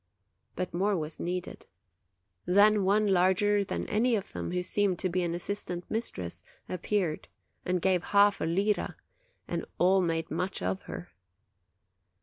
But more was needed. Then one larger than any of them, who seemed to be an assistant mistress, appeared, and gave half a lira; and all made much of her.